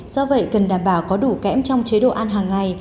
do vậy cần đảm bảo có đủ kẽm trong chế độ ăn hàng ngày